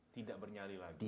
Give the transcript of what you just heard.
tidak bernyali lagi